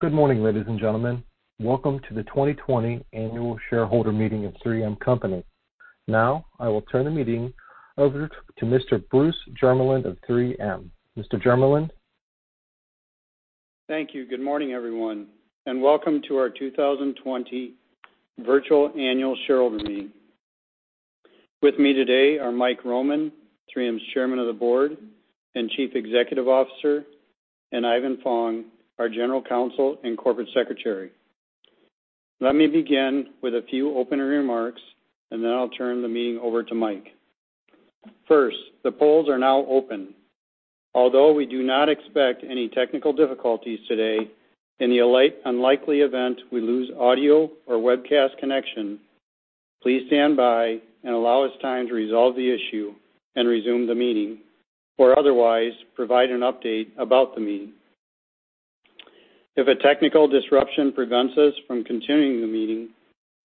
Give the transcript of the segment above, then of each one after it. Good morning, ladies and gentlemen. Welcome to the 2020 Annual Shareholder Meeting of 3M Company. Now I will turn the meeting over to Mr. Bruce Jermeland of 3M. Mr. Jermeland? Thank you. Good morning, everyone, and welcome to our 2020 virtual annual shareholder meeting. With me today are Mike Roman, 3M's Chairman of the Board and Chief Executive Officer, and Ivan Fong, our General Counsel and Corporate Secretary. Let me begin with a few opening remarks, and then I'll turn the meeting over to Mike. First, the polls are now open. Although we do not expect any technical difficulties today, in the unlikely event we lose audio or webcast connection, please stand by and allow us time to resolve the issue and resume the meeting or otherwise provide an update about the meeting. If a technical disruption prevents us from continuing the meeting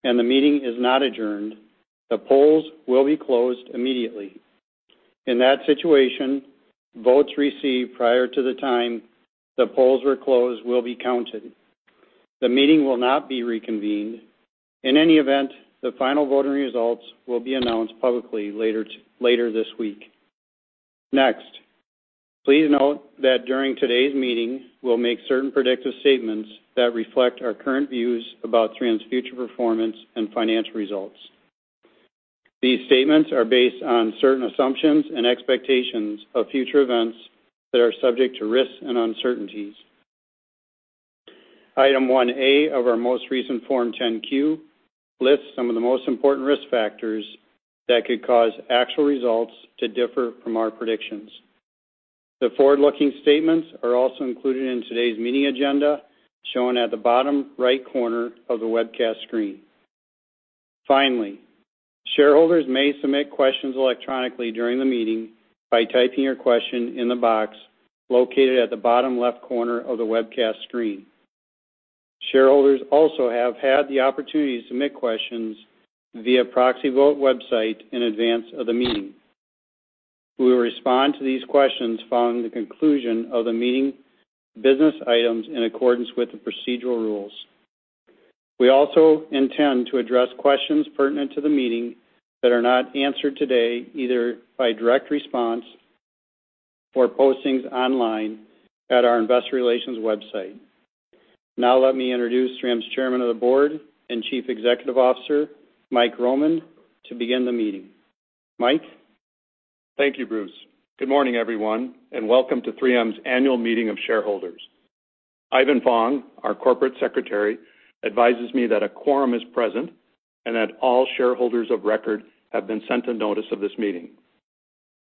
and the meeting is not adjourned, the polls will be closed immediately. In that situation, votes received prior to the time the polls were closed will be counted. The meeting will not be reconvened. In any event, the final voting results will be announced publicly later, later this week. Next, please note that during today's meeting, we'll make certain predictive statements that reflect our current views about 3M's future performance and financial results. These statements are based on certain assumptions and expectations of future events that are subject to risks and uncertainties. Item 1A of our most recent Form 10-Q lists some of the most important risk factors that could cause actual results to differ from our predictions. The forward-looking statements are also included in today's meeting agenda, shown at the bottom right corner of the webcast screen. Finally, shareholders may submit questions electronically during the meeting by typing your question in the box located at the bottom left corner of the webcast screen. Shareholders also have had the opportunity to submit questions via proxy vote website in advance of the meeting. We will respond to these questions following the conclusion of the meeting business items in accordance with the procedural rules. We also intend to address questions pertinent to the meeting that are not answered today, either by direct response or postings online at our investor relations website. Now, let me introduce 3M's Chairman of the Board and Chief Executive Officer, Mike Roman, to begin the meeting. Mike? Thank you, Bruce. Good morning, everyone, and welcome to 3M's Annual Meeting of Shareholders. Ivan Fong, our Corporate Secretary, advises me that a quorum is present and that all shareholders of record have been sent a notice of this meeting.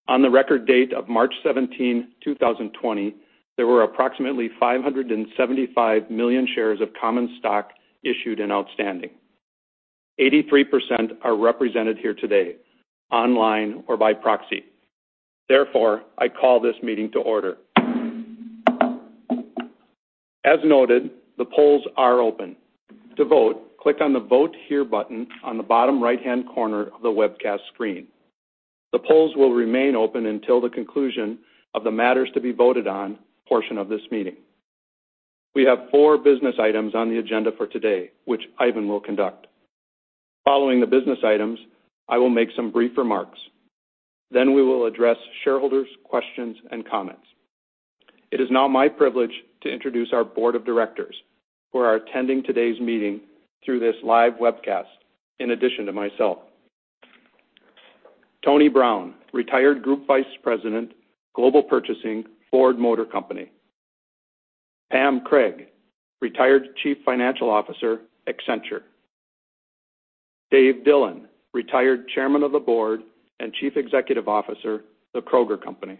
On the record date of March 17, 2020, there were approximately 575 million shares of common stock issued and outstanding. 83% are represented here today, online or by proxy. Therefore, I call this meeting to order. As noted, the polls are open. To vote, click on the Vote Here button on the bottom right-hand corner of the webcast screen. The polls will remain open until the conclusion of the matters to be voted on portion of this meeting. We have four business items on the agenda for today, which Ivan will conduct. Following the business items, I will make some brief remarks. Then we will address shareholders' questions and comments. It is now my privilege to introduce our board of directors, who are attending today's meeting through this live webcast, in addition to myself. Tony Brown, Retired Group Vice President, Global Purchasing, Ford Motor Company. Pam Craig, Retired Chief Financial Officer, Accenture. Dave Dillon, Retired Chairman of the Board and Chief Executive Officer, The Kroger Company.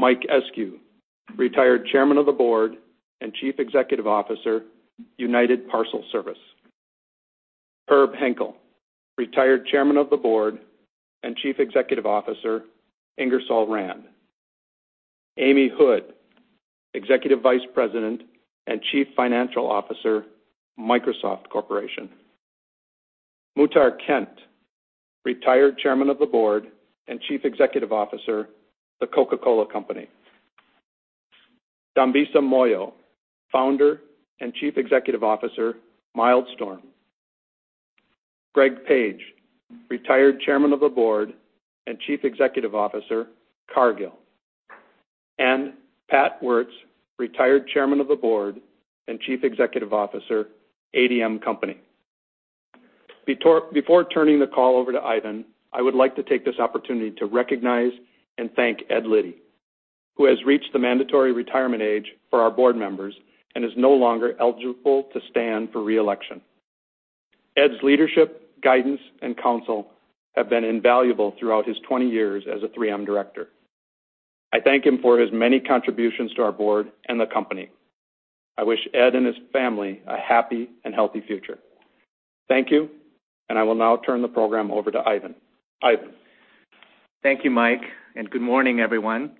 Mike Eskew, Retired Chairman of the Board and Chief Executive Officer, United Parcel Service. Herb Henkel, Retired Chairman of the Board and Chief Executive Officer, Ingersoll Rand. Amy Hood, Executive Vice President and Chief Financial Officer, Microsoft Corporation. Muhtar Kent, Retired Chairman of the Board and Chief Executive Officer, The Coca-Cola Company. Dambisa Moyo, Founder and Chief Executive Officer, Mildstorm. Greg Page, Retired Chairman of the Board and Chief Executive Officer, Cargill. And Pat Wertz, Retired Chairman of the Board and Chief Executive Officer, ADM Company. Before turning the call over to Ivan, I would like to take this opportunity to recognize and thank Ed Liddy, who has reached the mandatory retirement age for our board members and is no longer eligible to stand for re-election. Ed's leadership, guidance, and counsel have been invaluable throughout his 20 years as a 3M director. I thank him for his many contributions to our board and the company. I wish Ed and his family a happy and healthy future. Thank you, and I will now turn the program over to Ivan. Ivan? Thank you, Mike, and good morning, everyone.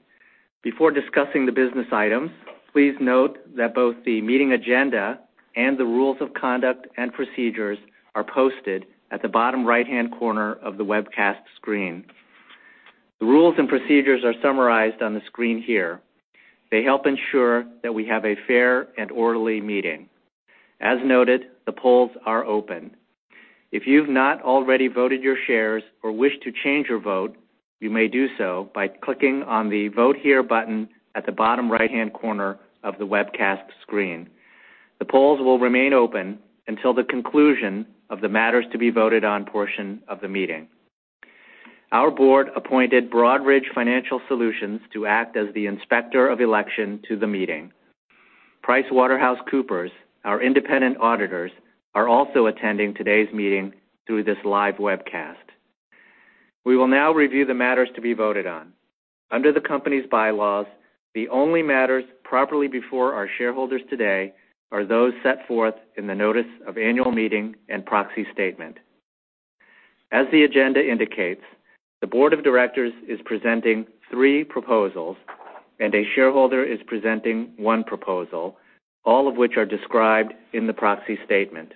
Before discussing the business items, please note that both the meeting agenda and the rules of conduct and procedures are posted at the bottom right-hand corner of the webcast screen. The rules and procedures are summarized on the screen here. They help ensure that we have a fair and orderly meeting. As noted, the polls are open. If you've not already voted your shares or wish to change your vote, you may do so by clicking on the Vote Here button at the bottom right-hand corner of the webcast screen. The polls will remain open until the conclusion of the matters to be voted on portion of the meeting. Our Board appointed Broadridge Financial Solutions to act as the Inspector of Election to the meeting. PricewaterhouseCoopers, our independent auditors, are also attending today's meeting through this live webcast. We will now review the matters to be voted on. Under the company's bylaws, the only matters properly before our shareholders today are those set forth in the notice of annual meeting and proxy statement. As the agenda indicates, the board of directors is presenting three proposals, and a shareholder is presenting one proposal, all of which are described in the proxy statement.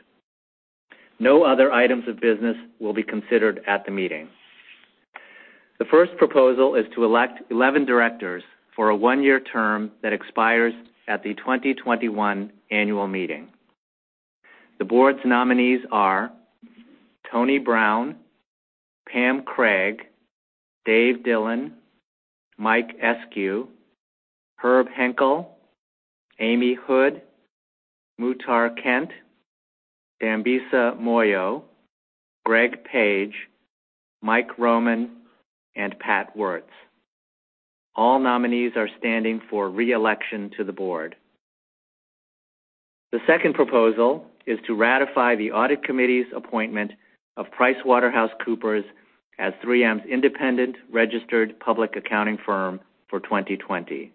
No other items of business will be considered at the meeting. The first proposal is to elect 11 directors for a one-year term that expires at the 2021 annual meeting. The board's nominees are Tony Brown, Pam Craig, Dave Dillon, Mike Eskew, Herb Henkel, Amy Hood, Muhtar Kent, Dambisa Moyo, Greg Page, Mike Roman, and Pat Wertz. All nominees are standing for reelection to the board. The second proposal is to ratify the Audit Committee's appointment of PricewaterhouseCoopers as 3M's independent registered public accounting firm for 2020.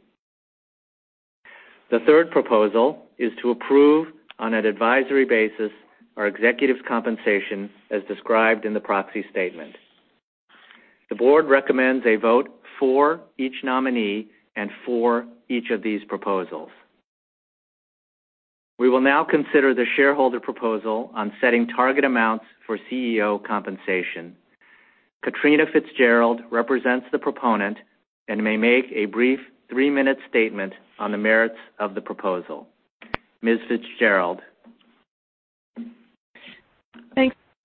The third proposal is to approve, on an advisory basis, our executives' compensation as described in the proxy statement. The board recommends a vote for each nominee and for each of these proposals. We will now consider the shareholder proposal on setting target amounts for CEO compensation. Katrina Fitzgerald represents the proponent and may make a brief three-minute statement on the merits of the proposal. Ms. Fitzgerald?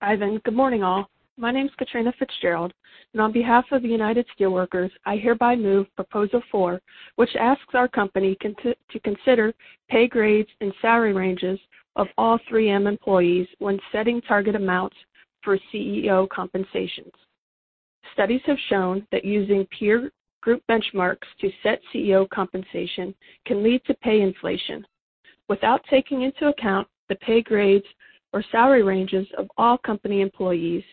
Thanks, Ivan. Good morning, all. My name is Katrina Fitzgerald, and on behalf of the United Steelworkers, I hereby move Proposal Four, which asks our company to consider pay grades and salary ranges of all 3M employees when setting target amounts for CEO compensation. Studies have shown that using peer group benchmarks to set CEO compensation can lead to pay inflation. Without taking into account the pay grades or salary ranges of all company employees,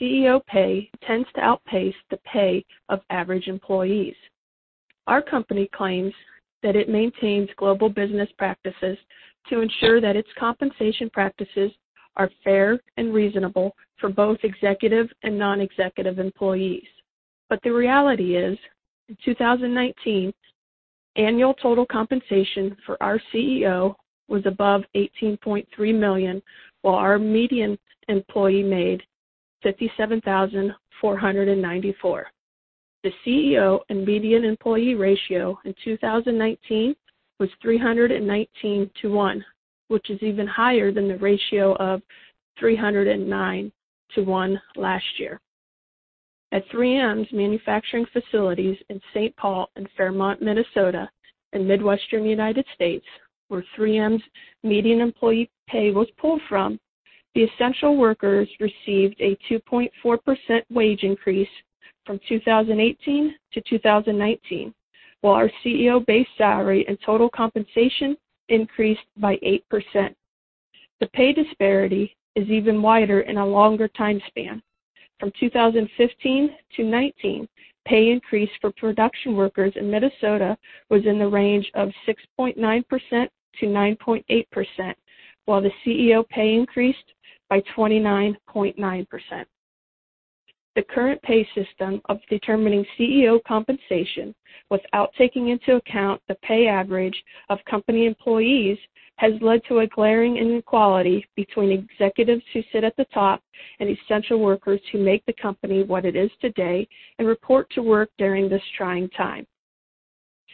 CEO pay tends to outpace the pay of average employees. Our company claims that it maintains global business practices to ensure that its compensation practices are fair and reasonable for both executive and non-executive employees. But the reality is, in 2019, annual total compensation for our CEO was above $18.3 million, while our median employee made $57,494. The CEO and median employee ratio in 2019 was 319 to 1, which is even higher than the ratio of 309 to 1 last year. At 3M's manufacturing facilities in St. Paul and Fairmont, Minnesota, in Midwestern United States, where 3M's median employee pay was pulled from, the essential workers received a 2.4% wage increase from 2018 to 2019, while our CEO base salary and total compensation increased by 8%. The pay disparity is even wider in a longer time span. From 2015 to 2019, pay increase for production workers in Minnesota was in the range of 6.9%-9.8%, while the CEO pay increased by 29.9%. The current pay system of determining CEO compensation without taking into account the pay average of company employees has led to a glaring inequality between executives who sit at the top and essential workers who make the company what it is today and report to work during this trying time.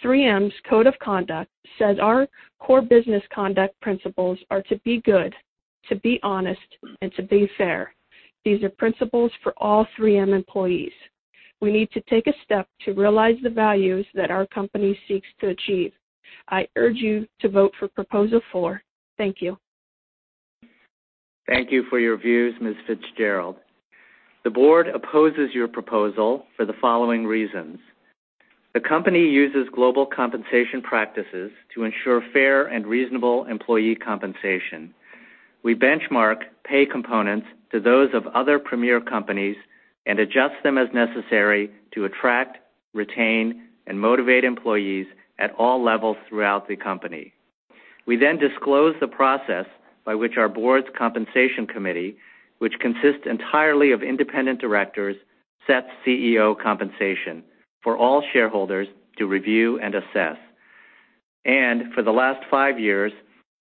3M's Code of Conduct says our core business conduct principles are to be good, to be honest, and to be fair. These are principles for all 3M employees. We need to take a step to realize the values that our company seeks to achieve. I urge you to vote for Proposal Four. Thank you. Thank you for your views, Ms. Fitzgerald. The board opposes your proposal for the following reasons: The company uses global compensation practices to ensure fair and reasonable employee compensation. We benchmark pay components to those of other premier companies and adjust them as necessary to attract, retain, and motivate employees at all levels throughout the company. We then disclose the process by which our board's Compensation Committee, which consists entirely of independent directors, sets CEO compensation for all shareholders to review and assess. For the last five years,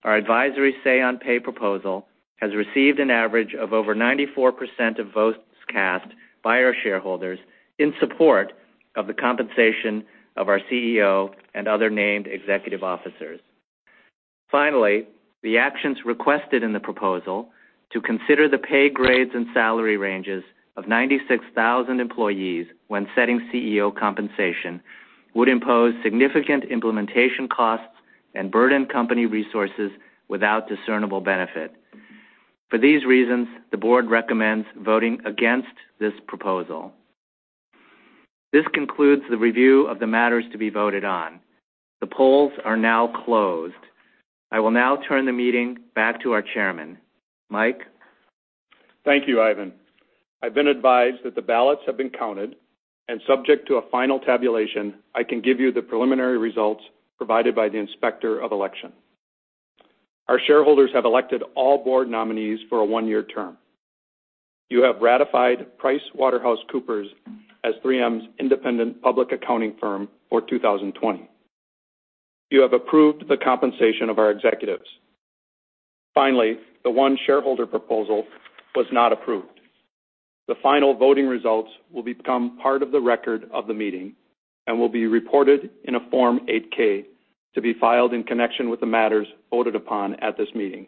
our advisory Say on Pay proposal has received an average of over 94% of votes cast by our shareholders in support of the compensation of our CEO and other named executive officers. Finally, the actions requested in the proposal to consider the pay grades and salary ranges of 96,000 employees when setting CEO compensation, would impose significant implementation costs and burden company resources without discernible benefit. For these reasons, the board recommends voting against this proposal. This concludes the review of the matters to be voted on. The polls are now closed. I will now turn the meeting back to our chairman. Mike? Thank you, Ivan. I've been advised that the ballots have been counted, and subject to a final tabulation, I can give you the preliminary results provided by the inspector of election. Our shareholders have elected all board nominees for a one-year term. You have ratified PricewaterhouseCoopers as 3M's independent public accounting firm for 2020. You have approved the compensation of our executives. Finally, the one shareholder proposal was not approved. The final voting results will become part of the record of the meeting and will be reported in a Form 8-K, to be filed in connection with the matters voted upon at this meeting.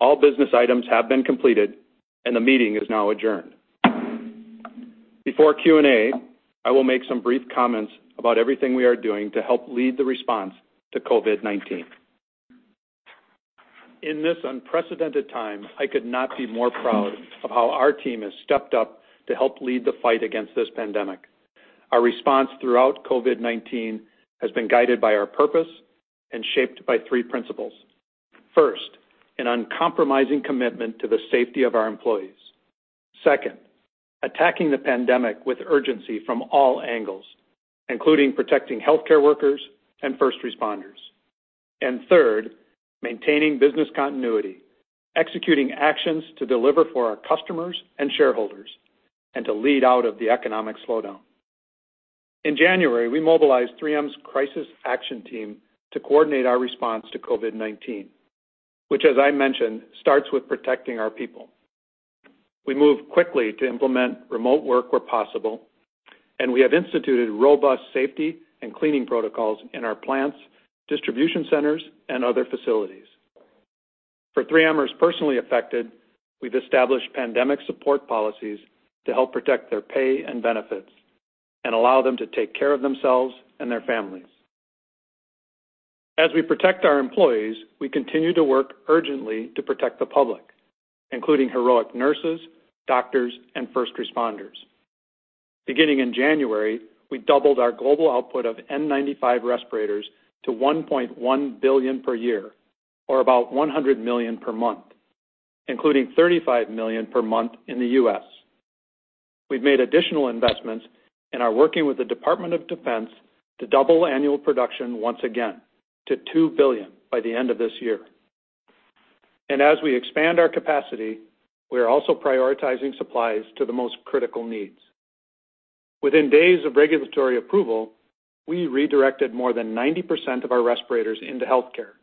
All business items have been completed, and the meeting is now adjourned. Before Q&A, I will make some brief comments about everything we are doing to help lead the response to COVID-19. In this unprecedented time, I could not be more proud of how our team has stepped up to help lead the fight against this pandemic. Our response throughout COVID-19 has been guided by our purpose and shaped by three principles. First, an uncompromising commitment to the safety of our employees. Second, attacking the pandemic with urgency from all angles, including protecting healthcare workers and first responders. And third, maintaining business continuity, executing actions to deliver for our customers and shareholders, and to lead out of the economic slowdown. In January, we mobilized 3M's Crisis Action Team to coordinate our response to COVID-19, which, as I mentioned, starts with protecting our people. We moved quickly to implement remote work where possible, and we have instituted robust safety and cleaning protocols in our plants, distribution centers, and other facilities. For 3Mers personally affected, we've established pandemic support policies to help protect their pay and benefits and allow them to take care of themselves and their families. As we protect our employees, we continue to work urgently to protect the public, including heroic nurses, doctors, and first responders. Beginning in January, we doubled our global output of N95 respirators to 1.1 billion per year, or about 100 million per month, including 35 million per month in the U.S.. We've made additional investments and are working with the Department of Defense to double annual production once again to 2 billion by the end of this year. As we expand our capacity, we are also prioritizing supplies to the most critical needs. Within days of regulatory approval, we redirected more than 90% of our respirators into healthcare,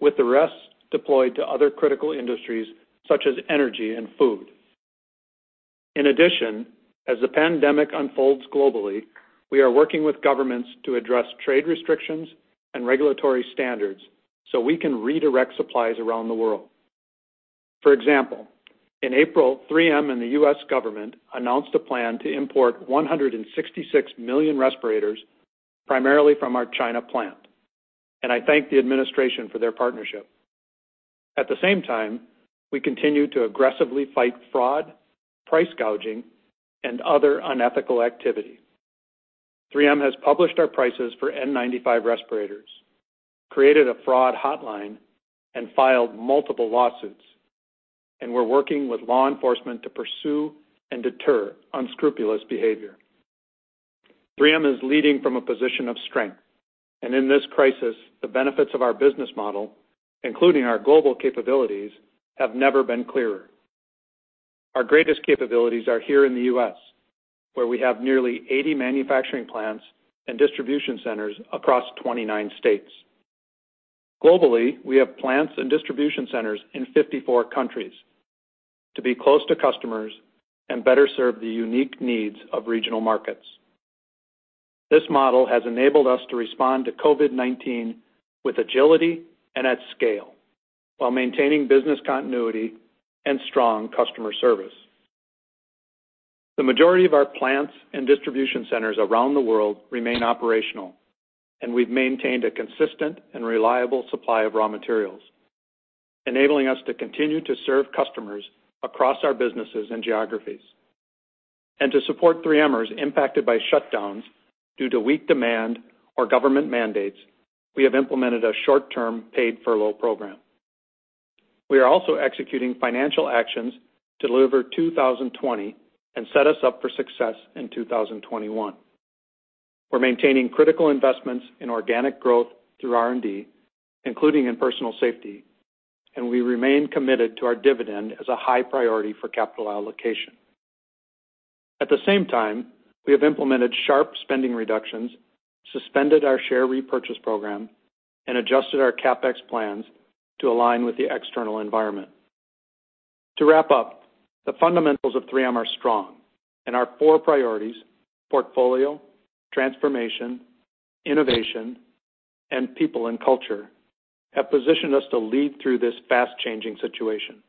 with the rest deployed to other critical industries such as energy and food. In addition, as the pandemic unfolds globally, we are working with governments to address trade restrictions and regulatory standards so we can redirect supplies around the world. For example, in April, 3M and the U.S. government announced a plan to import 166 million respirators, primarily from our China plant, and I thank the administration for their partnership. At the same time, we continue to aggressively fight fraud, price gouging, and other unethical activity. 3M has published our prices for N95 respirators, created a fraud hotline, and filed multiple lawsuits, and we're working with law enforcement to pursue and deter unscrupulous behavior. 3M is leading from a position of strength, and in this crisis, the benefits of our business model, including our global capabilities, have never been clearer. Our greatest capabilities are here in the U.S., where we have nearly 80 manufacturing plants and distribution centers across 29 states. Globally, we have plants and distribution centers in 54 countries to be close to customers and better serve the unique needs of regional markets. This model has enabled us to respond to COVID-19 with agility and at scale, while maintaining business continuity and strong customer service. The majority of our plants and distribution centers around the world remain operational, and we've maintained a consistent and reliable supply of raw materials, enabling us to continue to serve customers across our businesses and geographies. And to support 3Mers impacted by shutdowns due to weak demand or government mandates, we have implemented a short-term paid furlough program. We are also executing financial actions to deliver 2020, and set us up for success in 2021. We're maintaining critical investments in organic growth through R&D, including in personal safety, and we remain committed to our dividend as a high priority for capital allocation.... At the same time, we have implemented sharp spending reductions, suspended our share repurchase program, and adjusted our CapEx plans to align with the external environment. To wrap up, the fundamentals of 3M are strong, and our four priorities, portfolio, transformation, innovation, and people and culture, have positioned us to lead through this fast-changing situation.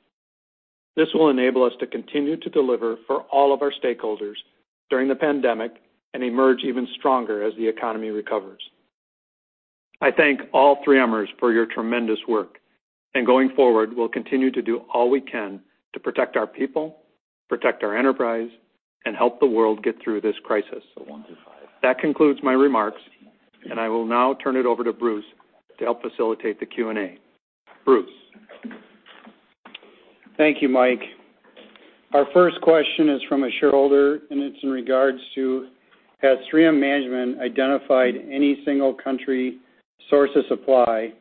This will enable us to continue to deliver for all of our stakeholders during the pandemic and emerge even stronger as the economy recovers. I thank all 3Mers for your tremendous work, and going forward, we'll continue to do all we can to protect our people, protect our enterprise, and help the world get through this crisis. That concludes my remarks, and I will now turn it over to Bruce to help facilitate the Q&A. Bruce? Thank you, Mike. Our first question is from a shareholder, and it's in regards to: Has 3M management identified any single country source of supply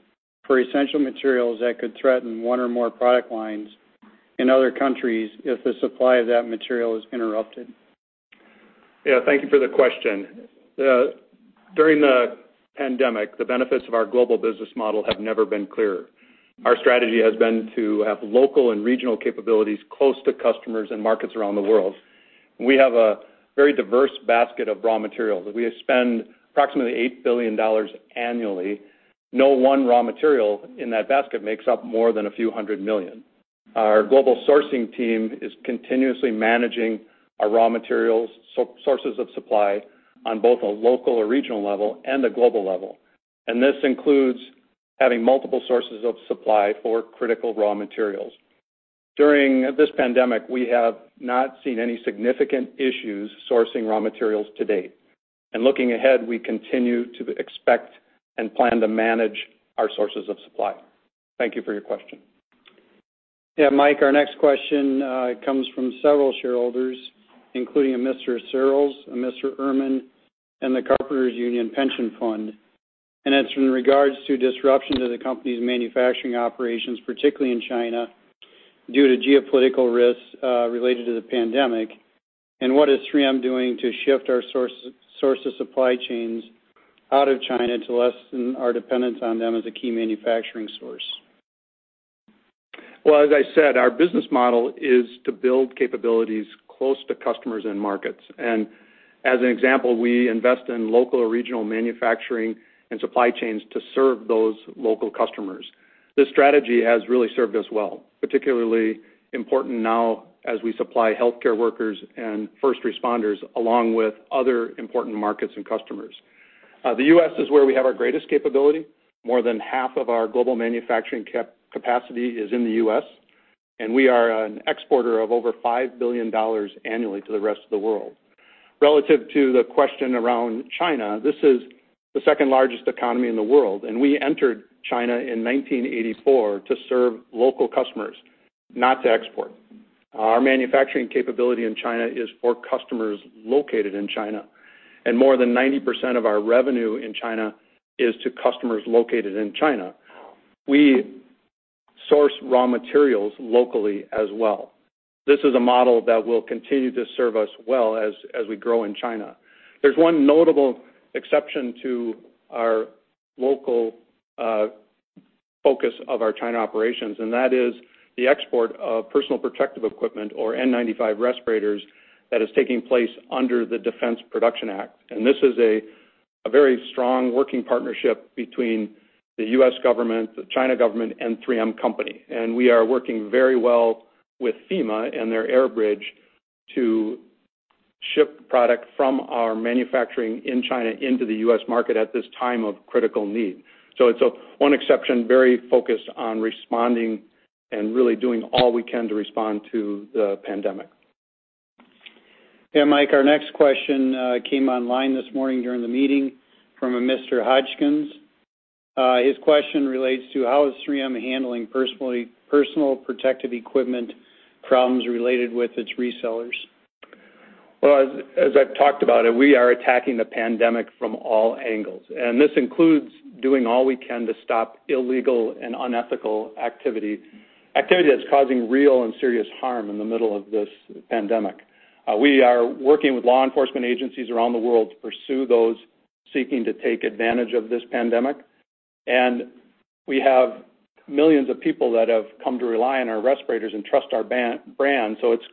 for essential materials that could threaten one or more product lines in other countries if the supply of that material is interrupted? Yeah, thank you for the question. During the pandemic, the benefits of our global business model have never been clearer. Our strategy has been to have local and regional capabilities close to customers and markets around the world. We have a very diverse basket of raw materials, and we spend approximately $8 billion annually. No one raw material in that basket makes up more than $a few hundred million. Our global sourcing team is continuously managing our raw materials, so sources of supply on both a local or regional level and a global level. This includes having multiple sources of supply for critical raw materials. During this pandemic, we have not seen any significant issues sourcing raw materials to date. Looking ahead, we continue to expect and plan to manage our sources of supply. Thank you for your question. Yeah, Mike, our next question comes from several shareholders, including a Mr. Searles, a Mr. Ehrman, and the Carpenters Union Pension Fund. And it's in regards to disruption to the company's manufacturing operations, particularly in China, due to geopolitical risks related to the pandemic, and what is 3M doing to shift our source of supply chains out of China to lessen our dependence on them as a key manufacturing source? Well, as I said, our business model is to build capabilities close to customers and markets. As an example, we invest in local or regional manufacturing and supply chains to serve those local customers. This strategy has really served us well, particularly important now as we supply healthcare workers and first responders, along with other important markets and customers. The U.S. is where we have our greatest capability. More than half of our global manufacturing capacity is in the U.S., and we are an exporter of over $5 billion annually to the rest of the world. Relative to the question around China, this is the second-largest economy in the world, and we entered China in 1984 to serve local customers, not to export. Our manufacturing capability in China is for customers located in China, and more than 90% of our revenue in China is to customers located in China. We source raw materials locally as well. This is a model that will continue to serve us well as we grow in China. There's one notable exception to our local focus of our China operations, and that is the export of personal protective equipment or N95 respirators that is taking place under the Defense Production Act. And this is a very strong working partnership between the U.S. government, the Chinese government, and 3M Company. And we are working very well with FEMA and their air bridge to ship product from our manufacturing in China into the U.S. market at this time of critical need. So it's one exception, very focused on responding and really doing all we can to respond to the pandemic. Yeah, Mike, our next question came online this morning during the meeting from a Mr. Hodgkins. His question relates to: How is 3M handling personal protective equipment problems related with its resellers? Well, as I've talked about it, we are attacking the pandemic from all angles, and this includes doing all we can to stop illegal and unethical activity that's causing real and serious harm in the middle of this pandemic. We are working with law enforcement agencies around the world to pursue those seeking to take advantage of this pandemic. And we have millions of people that have come to rely on our respirators and trust our brand, so it's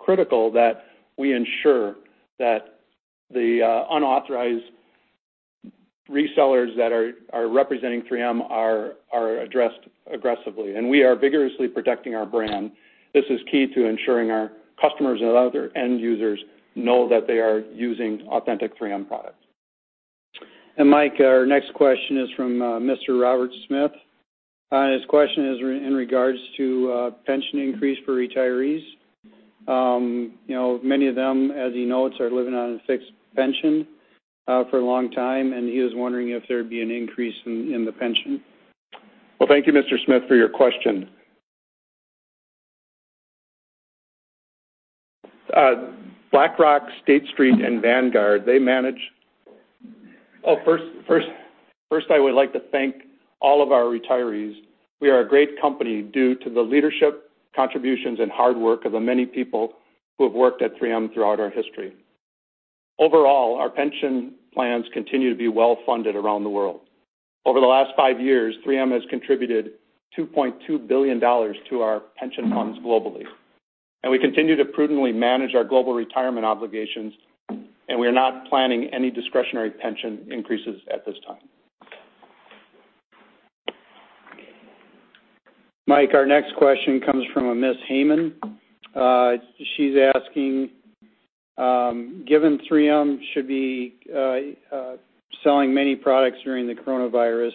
critical that we ensure that the unauthorized resellers that are representing 3M are addressed aggressively, and we are vigorously protecting our brand. This is key to ensuring our customers and other end users know that they are using authentic 3M products. Mike, our next question is from Mr. Robert Smith. His question is in regards to a pension increase for retirees. You know, many of them, as he notes, are living on a fixed pension for a long time, and he was wondering if there'd be an increase in the pension. Well, thank you, Mr. Smith, for your question. BlackRock, State Street, and Vanguard, I would like to thank all of our retirees. We are a great company due to the leadership, contributions, and hard work of the many people who have worked at 3M throughout our history. Overall, our pension plans continue to be well-funded around the world. Over the last five years, 3M has contributed $2.2 billion to our pension funds globally, and we continue to prudently manage our global retirement obligations, and we are not planning any discretionary pension increases at this time. Mike, our next question comes from a Ms. Hayman. She's asking: Given 3M should be selling many products during the coronavirus,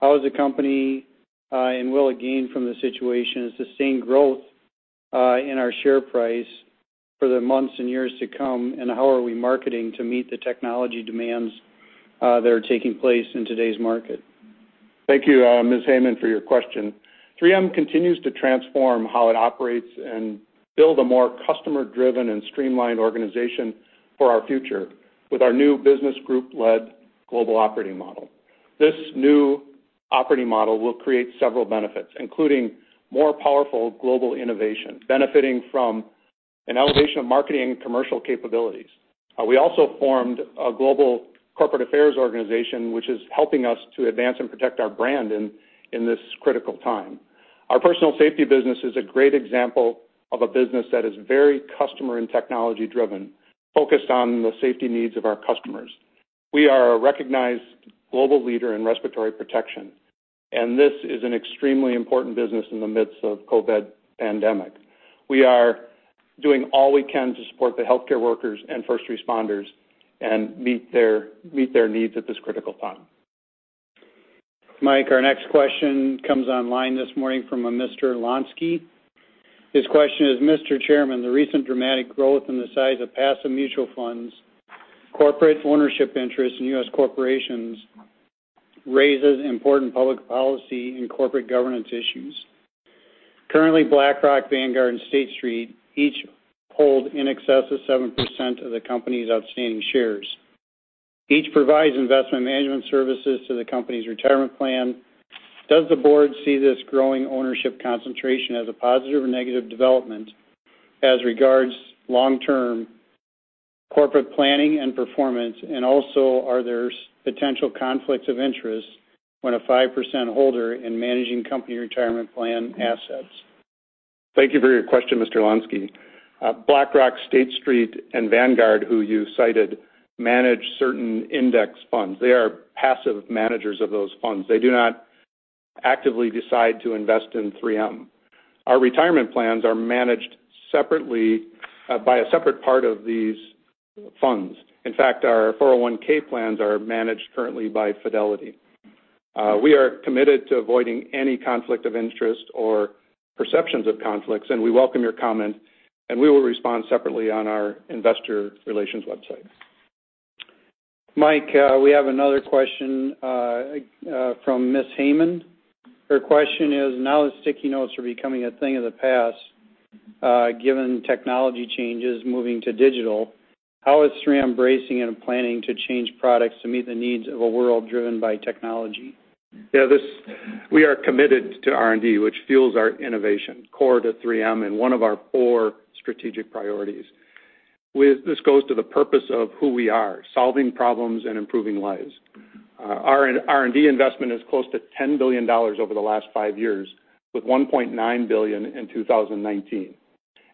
how is the company, and will it gain from the situation, sustain growth in our share price for the months and years to come? And how are we marketing to meet the technology demands that are taking place in today's market? Thank you, Ms. Hayman, for your question. 3M continues to transform how it operates and build a more customer-driven and streamlined organization for our future with our new business group-led global operating model. This new operating model will create several benefits, including more powerful global innovation, benefiting from an elevation of marketing and commercial capabilities. We also formed a global corporate affairs organization, which is helping us to advance and protect our brand in this critical time. Our personal safety business is a great example of a business that is very customer and technology-driven, focused on the safety needs of our customers. We are a recognized global leader in respiratory protection, and this is an extremely important business in the midst of COVID pandemic. We are doing all we can to support the healthcare workers and first responders and meet their needs at this critical time. Mike, our next question comes online this morning from a Mr. Lonsky. His question is: Mr. Chairman, the recent dramatic growth in the size of passive mutual funds, corporate ownership interest in U.S. corporations, raises important public policy and corporate governance issues. Currently, BlackRock, Vanguard, and State Street each hold in excess of 7% of the company's outstanding shares. Each provides investment management services to the company's retirement plan. Does the board see this growing ownership concentration as a positive or negative development as regards long-term corporate planning and performance? And also, are there potential conflicts of interest when a 5% holder in managing company retirement plan assets? Thank you for your question, Mr. Lonsky. BlackRock, State Street, and Vanguard, who you cited, manage certain index funds. They are passive managers of those funds. They do not actively decide to invest in 3M. Our retirement plans are managed separately by a separate part of these funds. In fact, our 401(k) plans are managed currently by Fidelity. We are committed to avoiding any conflict of interest or perceptions of conflicts, and we welcome your comment, and we will respond separately on our investor relations website. Mike, we have another question from Ms. Hayman. Her question is: Now that sticky notes are becoming a thing of the past, given technology changes moving to digital, how is 3M embracing and planning to change products to meet the needs of a world driven by technology? Yeah, this. We are committed to R&D, which fuels our innovation, core to 3M and one of our four strategic priorities. This goes to the purpose of who we are, solving problems and improving lives. Our R&D investment is close to $10 billion over the last five years, with $1.9 billion in 2019,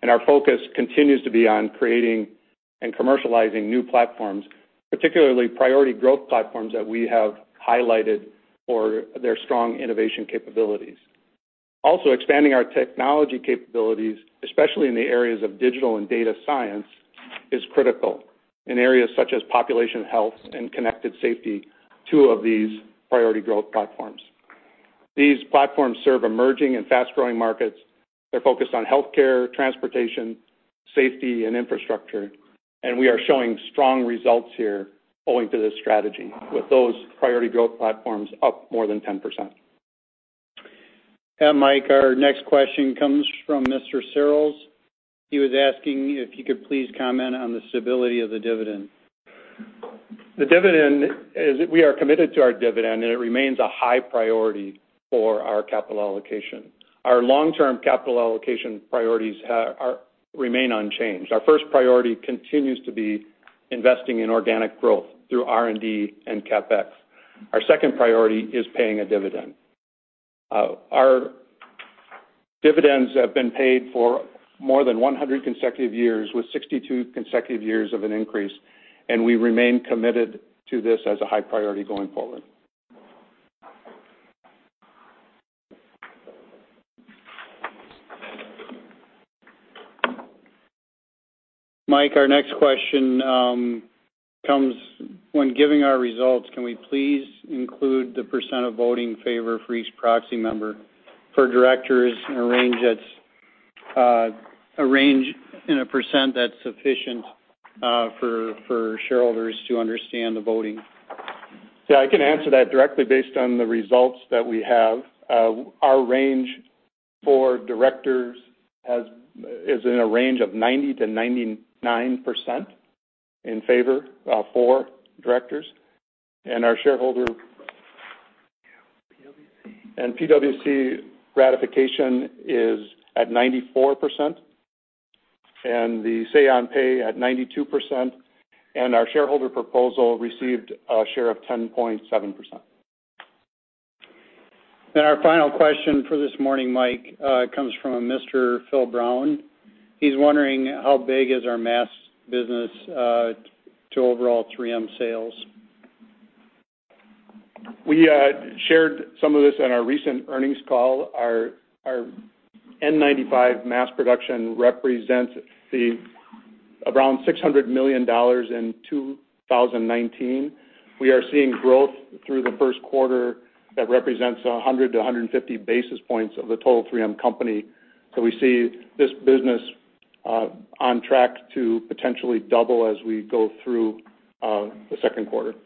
and our focus continues to be on creating and commercializing new platforms, particularly priority growth platforms that we have highlighted for their strong innovation capabilities. Also, expanding our technology capabilities, especially in the areas of digital and data science, is critical in areas such as population health and connected safety, two of these priority growth platforms. These platforms serve emerging and fast-growing markets. They're focused on healthcare, transportation, safety, and infrastructure, and we are showing strong results here owing to this strategy, with those priority growth platforms up more than 10%. Mike, our next question comes from Mr. Searles. He was asking if you could please comment on the stability of the dividend. We are committed to our dividend, and it remains a high priority for our capital allocation. Our long-term capital allocation priorities have, are, remain unchanged. Our first priority continues to be investing in organic growth through R&D and CapEx. Our second priority is paying a dividend. Our dividends have been paid for more than 100 consecutive years, with 62 consecutive years of an increase, and we remain committed to this as a high priority going forward. Mike, our next question comes: When giving our results, can we please include the percent of voting in favor for each proxy member for directors in a range that's a range and a percent that's sufficient for shareholders to understand the voting? Yeah, I can answer that directly based on the results that we have. Our range for directors is in a range of 90%-99% in favor of four directors. And our shareholder- PwC. PwC ratification is at 94%, and the Say on Pay at 92%, and our shareholder proposal received a share of 10.7%. Our final question for this morning, Mike, comes from a Mr. Phil Brown. He's wondering: How big is our mask business to overall 3M sales? We shared some of this on our recent earnings call. Our N95 mask production represents around $600 million in 2019. We are seeing growth through the Q1 that represents 100-150 basis points of the total 3M Company. So we see this business on track to potentially double as we go through the Q2.